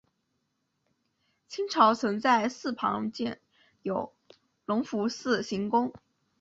清朝曾在寺旁建有隆福寺行宫。